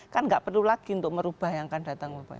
kan tidak perlu lagi untuk merubah yang akan datang